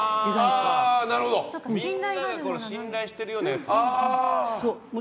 みんなが信頼しているようなやつ。